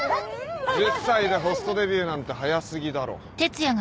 １０歳でホストデビューなんて早過ぎだろ。